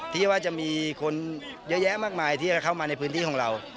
ที่ว่าจะมีคนเยอะแยะมากมายที่จะเข้ามาในพื้นที่ของเรา